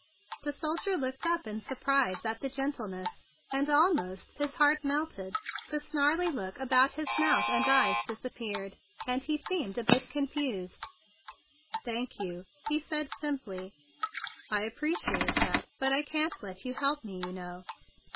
The soldier looked up in surprise at the gentleness, and almost his heart melted. The snarly look around his mouth and eyes disappeared, and he seemed a bit confounded. "Thank you," he said simply. "I ap¬ preciate that. But I can't let you help me, you know."